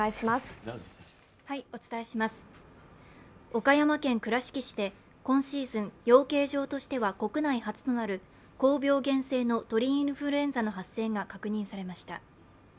岡山県倉敷市で今シーズン、養鶏場としては国内初となる高病原性の鳥インフルエンザの発生が確認されました。